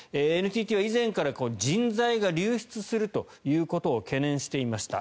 ＮＴＴは以前から人材が流出することを懸念していました。